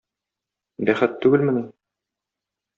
Бәхет түгелмени?!